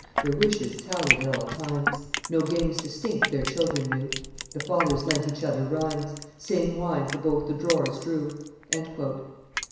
Their wishes tallied at all times; No games distinct their children' knew; The fathers lent each other rhymes; Same wine for both the drawers drew." [Ducis.